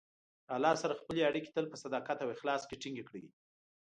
د الله سره خپلې اړیکې تل په صداقت او اخلاص کې ټینګې کړئ.